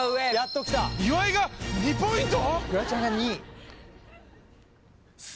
岩井が２ポイント！？